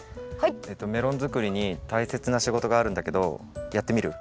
メロン作りに大切な仕事があるんだけどやってみる？